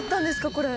これ。